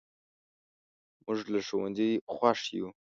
موږ له ښوونځي خوښ یو.